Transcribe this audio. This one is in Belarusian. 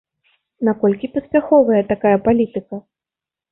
Наколькі паспяховая такая палітыка?